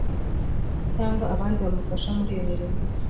cyangwa abandi bamufasha muri iyo mirimo